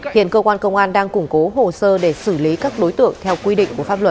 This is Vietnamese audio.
hiện cơ quan công an đang củng cố hồ sơ để xử lý các đối tượng theo quy định của pháp luật